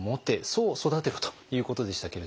そう育てろということでしたけれども。